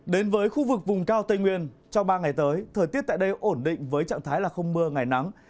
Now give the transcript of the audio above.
đến với khu vực vùng cao tây nguyên trong ba ngày tới thời tiết tại đây ổn định với trạng thái là không mưa ngày nắng